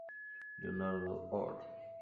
Leonardo; Or.·.